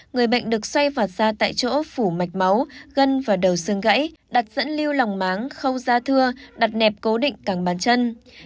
người bệnh được xoay vạt ra tại chỗ phủ mạch máu gân và đầu xương gãy đặt dẫn lưu lòng máng khâu da thưa đặt nẹp cố định càng bàn chân